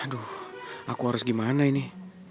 aduh aku harus gimana ini